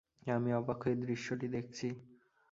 আমি অবাক হয়ে দৃশ্যটি দেখছি।